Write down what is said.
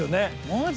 マジ？